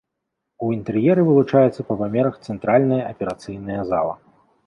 У інтэр'еры вылучаецца па памерах цэнтральная аперацыйная зала.